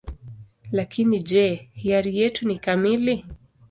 Lakini je, hiari yetu ni kamili?